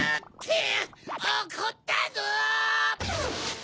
おこったぞ！